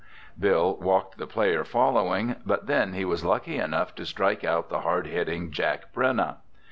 Bill walked the player following, but then he was lucky enough to strike out the hard hitting Jack Brenna.